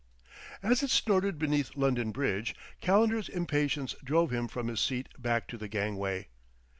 As it snorted beneath London Bridge, Calendar's impatience drove him from his seat back to the gangway.